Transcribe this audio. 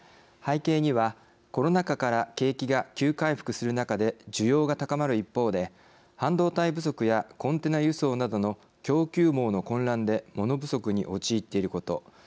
背景には、コロナ禍から景気が急回復する中で需要が高まる一方で半導体不足やコンテナ輸送などの供給網の混乱でモノ不足に陥っていること。